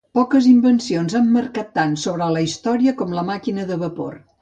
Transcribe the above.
Poques invencions han marcat tant sobre la història com la màquina de vapor.